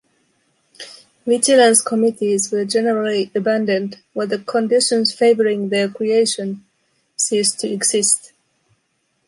Vigilance committees were generally abandoned when the conditions favoring their creation ceased to exist.